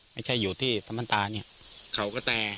ไม่ใช่อยู่ที่สมรตาเนี่ยเขากระแต่